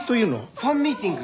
ファンミーティング。